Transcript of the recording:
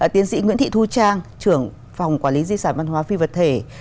tiến sĩ nguyễn thị thu trang trưởng phòng quản lý di sản văn hóa phi vật thể